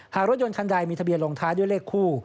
หากรถยนต์คันใดมีทะเบียนลงท้ายด้วยเลขคู่